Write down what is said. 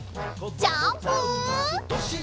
ジャンプ！